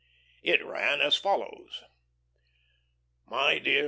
It ran as follows: MY DEAR MR.